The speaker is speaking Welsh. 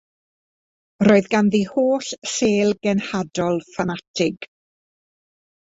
Roedd ganddi holl sêl genhadol ffanatig.